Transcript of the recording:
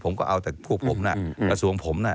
ผมก็เอาแต่พวกผมน่ะกระทรวงผมน่ะ